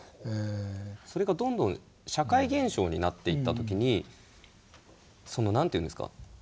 それがどんどん社会現象になっていった時に何て言うんですか？